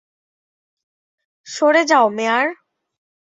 সরে যাও, মেয়ার!